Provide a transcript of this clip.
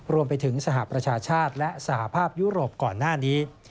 รวมไปถึงสหประชาชาติและสหภาพยุโรปก่อนหน้านี้